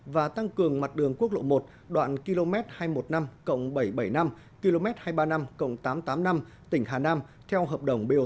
và tăng cường mặt đường quốc lộ một đoạn km hai trăm một mươi năm bảy trăm bảy mươi năm km hai trăm ba mươi năm tám trăm tám mươi năm tỉnh hà nam theo hợp đồng bot